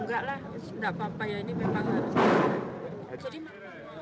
enggak lah nggak apa apa ya ini memang harus